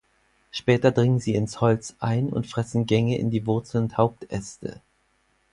Später dringen sie ins Holz ein und fressen Gänge in die Wurzeln und Hauptäste.